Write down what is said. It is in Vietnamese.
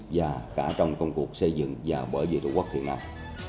và cả trong công cuộc xây dựng và bởi giới tổ quốc hiện nay